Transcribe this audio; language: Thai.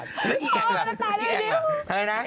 นี่แองยังไม่ตายด้วย